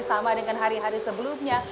sama dengan hari hari sebelumnya